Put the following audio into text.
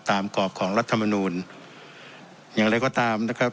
กรอบของรัฐมนูลอย่างไรก็ตามนะครับ